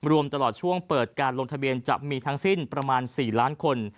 รวมตลอดช่วงเปิดการลงทะเบียนจะมีทั้งสิ้นประมาณ๔ล้านคน